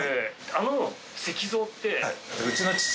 あの石像って。